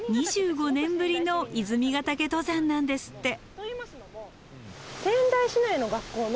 ２５年ぶりの泉ヶ岳登山なんですって。